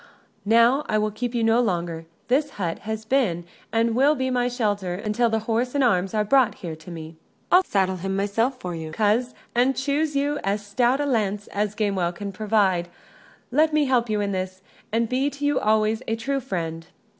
Now I will keep you no longer: this hut has been and will be my shelter until the horse and arms are brought here to me." "I'll saddle him myself for you, coz: and choose you as stout a lance as Gamewell can provide. Let me help you in this, and be to you always a true friend."